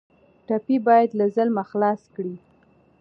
ټپي باید له ظلمه خلاص کړئ.